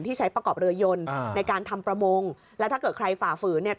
ใช้ประกอบเรือยนในการทำประมงแล้วถ้าเกิดใครฝ่าฝืนเนี่ย